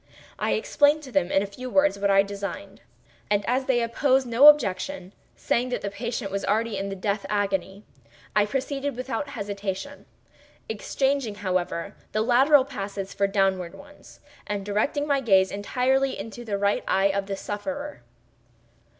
I explained to them, in a few words, what I designed, and as they opposed no objection, saying that the patient was already in the death agony, I proceeded without hesitation—exchanging, however, the lateral passes for downward ones, and directing my gaze entirely into the right eye of the sufferer.